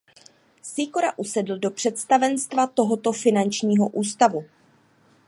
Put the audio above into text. Sýkora usedl do představenstva tohoto finančního ústavu.